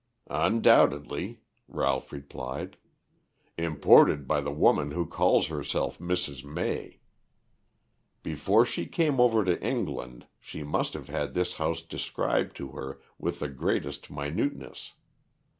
"Undoubtedly," Ralph replied. "Imported by the woman who calls herself Mrs. May. Before she came over to England she must have had this house described to her with the greatest minuteness.